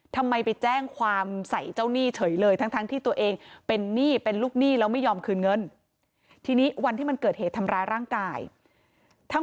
ทำไมไปแจ้งความใสเจ้าหนี้เฉยเลยทั้งที่ตัวเองเป็นหนี้เป็นลูกหนี้แล้วไม่ยอมคืนเงิน